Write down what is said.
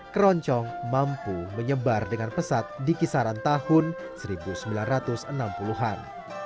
keroncong mampu menyebar dengan pesat di kisaran tahun seribu sembilan ratus enam puluh an